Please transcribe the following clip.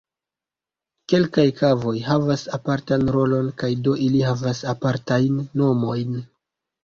Kelkaj kavoj havas apartan rolon kaj do ili havas apartajn nomojn.